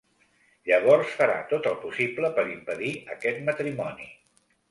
Llavors farà tot el possible per impedir aquest matrimoni.